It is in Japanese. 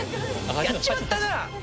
やっちまったな！